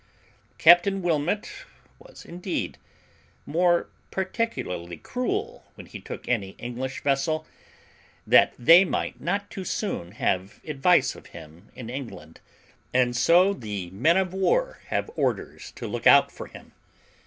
Captain Wilmot was, indeed, more particularly cruel when he took any English vessel, that they might not too soon have advice of him in England; and so the men of war have orders to look out for him.